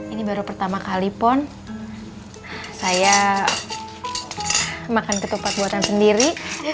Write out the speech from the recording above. ini baru pertama kali pon saya makan ketupat buatan sendiri